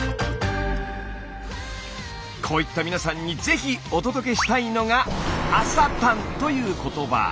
こういった皆さんにぜひお届けしたいのが「朝たん」という言葉。